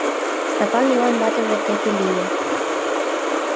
Стапан Йыван ватыж воктеке лие.